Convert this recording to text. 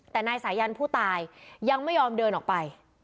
แต่นายสายันผู้ตายยังไม่ยอมเดินออกไป